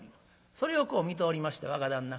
それをこう見ておりました若旦那